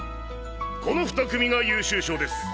この２組が優秀賞です。